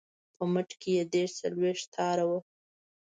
په مټ کې یې دېرش څلویښت تاره وه.